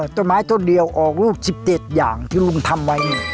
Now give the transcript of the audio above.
ต้นไม้ต้นเดียวออกรูป๑๗อย่างที่ลุงทำไว้เนี่ย